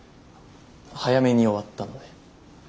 早めに終わったので。